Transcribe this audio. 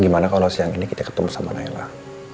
gimana kalo siang ini kita ketemu sama nailah